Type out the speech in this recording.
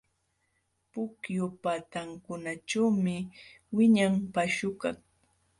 Pukyu patankunaćhuumi wiñan paśhukaq.